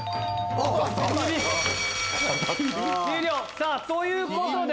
さぁということで。